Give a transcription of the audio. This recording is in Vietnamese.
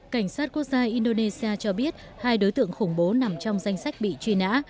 cảnh sát quốc gia indonesia cho biết hai đối tượng khủng bố nằm trong danh sách bị truy nã